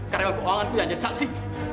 karena keuangan ku yang jadi saksi